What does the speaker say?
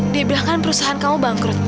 dia bilang kan perusahaan kamu bangkrut